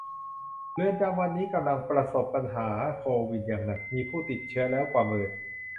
เรือนจำวันนี้กำลังประสบปัญหาโควิดอย่างหนัก มีผู้ติดเชื้อแล้วกว่าหมื่น !